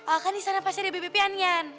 oh kan di sana pasti ada bpp an ya